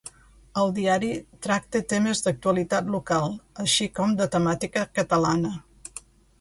El diari tracta temes d'actualitat local, així com de temàtica catalana.